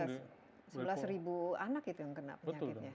apalagi setahun bisa sebelas anak itu yang kena penyakitnya